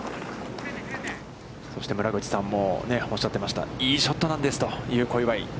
そして村口さんもおっしゃってました、いいショットなんですという小祝。